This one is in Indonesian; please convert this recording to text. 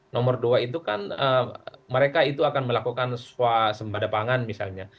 nomor dua itu kan mereka itu akan melakukan swasembada pangan misalnya